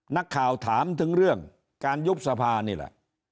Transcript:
นักข่าวถามถึงเรื่องการยุบสภานี่แหละ